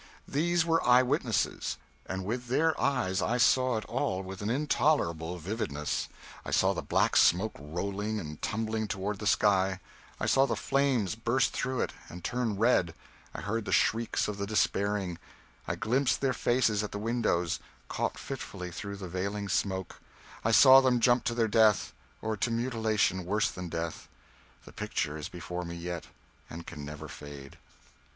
These were eye witnesses, and with their eyes I saw it all with an intolerable vividness: I saw the black smoke rolling and tumbling toward the sky, I saw the flames burst through it and turn red, I heard the shrieks of the despairing, I glimpsed their faces at the windows, caught fitfully through the veiling smoke, I saw them jump to their death, or to mutilation worse than death. The picture is before me yet, and can never fade.